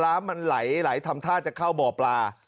น้ำมันไหลทำท่าจะเข้าบ่อปลา